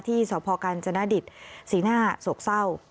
ที่สพกรรณจนดิตศรีหน้าโสกเศร้า